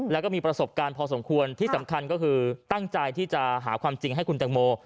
แล้วก็มีประสบการณ์พอสมควรที่สำคัญก็คือตั้งใจที่จะหาความจริงให้คุณแตงโม